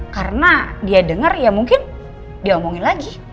karena dia dengar ya mungkin diomongin lagi